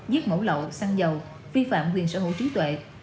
giết ngỗ lậu săn dầu vi phạm quyền sở hữu trí tuệ